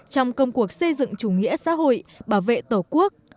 trong công cuộc xây dựng chủ nghĩa xã hội bảo vệ tổ quốc